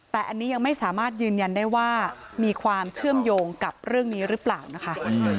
แต่อันนี้ยังไม่สามารถยืนยันได้ว่ามีความเชื่อมโยงกับเรื่องนี้หรือเปล่านะคะ